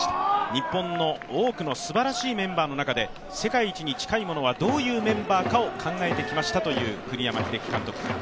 日本の多くのすばらしいメンバーの中で世界一に近いものはどういうメンバーかを考えてきましたという栗山英樹監督。